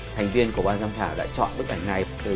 thành viên của ban giám khảo đã chọn bức ảnh này